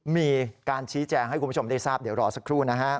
มีการชี้แจงให้คุณผู้ชมได้ทราบเดี๋ยวรอสักครู่นะฮะ